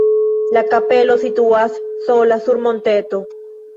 La kapelo situas sola sur monteto.